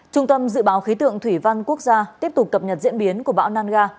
trung tâm dự báo khí tượng thủy văn quốc gia tiếp tục cập nhật diễn biến của bão nangar